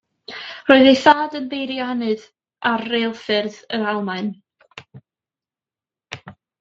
Roedd ei thad yn beiriannydd ar reilffyrdd yr Almaen.